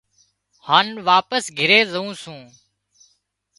هانَ واپس گھِري زُون سُون۔